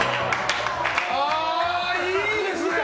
ああ、いいですね！